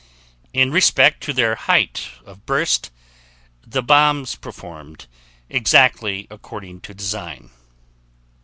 In respect to their height of burst, the bombs performed exactly according to design.